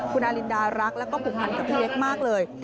คุณอารินดารักแล้วก็ผูกพันกับพี่เล็กมากเลย